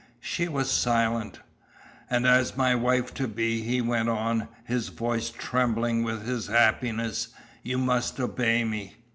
She was silent. "And as my wife to be," he went on, his voice trembling with his happiness, "you must obey me!"